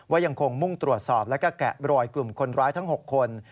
ยังคงมุ่งตรวจสอบและก็แกะรอยกลุ่มคนร้ายทั้ง๖คน